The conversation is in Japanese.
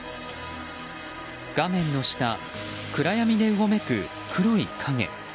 画面の下、暗闇でうごめく黒い影。